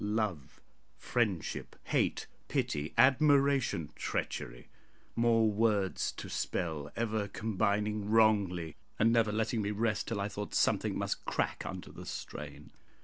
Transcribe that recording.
Love, friendship, hate, pity, admiration, treachery more words to spell, ever combining wrongly, and never letting me rest, till I thought something must crack under the strain.